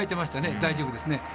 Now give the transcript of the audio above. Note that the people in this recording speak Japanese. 大丈夫です。